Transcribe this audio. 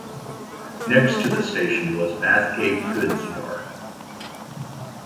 Next to the station was Bathgate goods yard.